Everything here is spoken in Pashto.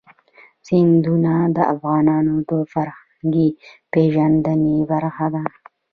سیندونه د افغانانو د فرهنګي پیژندنې برخه ده.